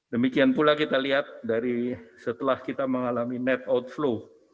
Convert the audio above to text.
demikian pula kita lihat dari setelah kita mengalami net outflow